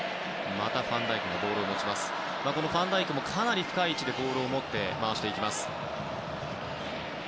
ファンダイクもかなり深い位置でボールを持って回しています。